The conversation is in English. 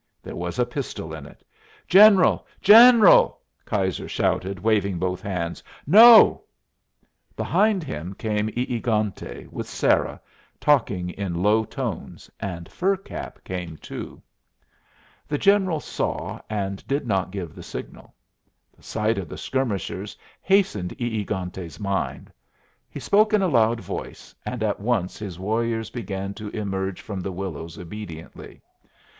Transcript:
There was a pistol in it. "General! General!" Keyser shouted, waving both hands, "No!" Behind him came E egante, with Sarah, talking in low tones, and Fur Cap came too. [Illustration: "HE HESITATED TO KILL THE WOMAN"] The General saw, and did not give the signal. The sight of the skirmishers hastened E egante's mind. He spoke in a loud voice, and at once his warriors began to emerge from the willows obediently.